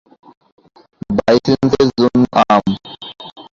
বাইসেপ্সের জন্য আম।